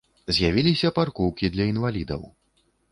З'явіліся паркоўкі для інвалідаў.